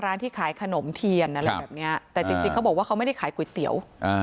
ที่ขายขนมเทียนอะไรแบบเนี้ยแต่จริงเขาบอกว่าเขาไม่ได้ขายก๋วยเตี๋ยว